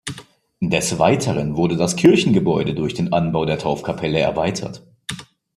Des Weiteren wurde das Kirchengebäude durch den Anbau der Taufkapelle erweitert.